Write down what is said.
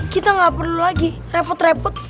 kita nggak perlu lagi repot repot